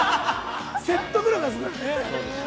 ◆説得力がすごいね。